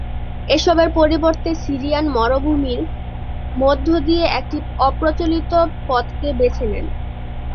এসবের পরিবর্তে সিরিয়ান মরুভূমির মধ্য দিয়ে একটি অপ্রচলিত পথকে বেছে নেন।